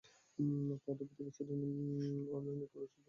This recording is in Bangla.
মধ্যবর্তী নির্বাচনে প্রেসিডেন্ট অরল্যান নিরংকুশ আধিপত্য বজায় রেখেছেন!